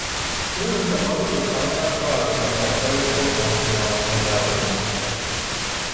او انتقاد دشمنانش را از سیاستهای خود مورد تمسخر قرار داد.